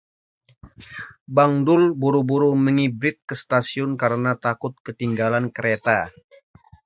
Bang Dul buru-buru mengibrit ke stasiun karena takut ketinggalan kereta